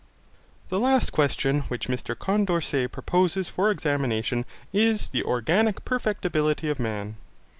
The last question which Mr Condorcet proposes for examination is the organic perfectibility of man.